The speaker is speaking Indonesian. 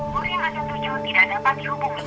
buri masih tujuh tidak dapat dihubungi